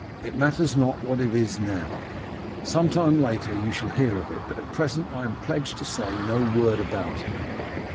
It matters not what it is now. Some time later you shall hear of it, but at present I am pledged to say no word about it.